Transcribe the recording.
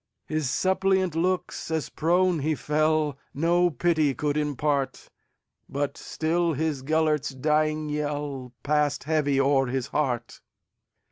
His suppliant looks, as prone he fell, No pity could impart; But still his Gêlert's dying yellPassed heavy o'er his heart.